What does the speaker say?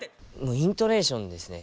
イントネーションですね。